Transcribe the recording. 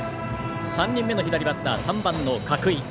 ３人目の左バッター、角井。